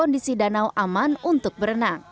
kondisi danau aman untuk berenang